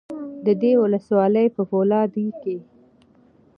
د دې ولسوالۍ په فولادي کې